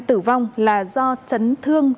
tử vong là do chấn thương